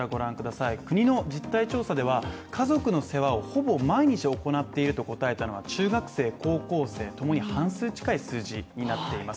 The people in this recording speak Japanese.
国の実態調査では家族の世話をほぼ毎日行っていると答えた人は、中学生、高校生ともに半数近い数字になっています。